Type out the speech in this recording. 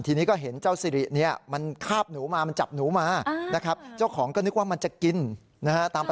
ทีนี้ก็เห็นเจ้าซิรินี่มันขาบหนูมามันจับหนูมานะครับ